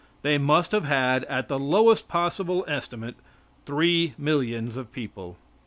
They must have had at the lowest possible estimate three millions of people.